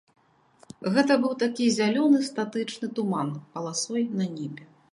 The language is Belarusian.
Гэта быў такі зялёны статычны туман паласой на небе.